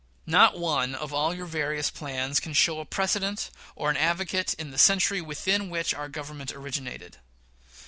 Not one of all your various plans can show a precedent or an advocate in the century within which our Government originated.